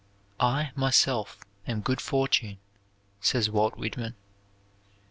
"I, myself, am good fortune," says Walt Whitman.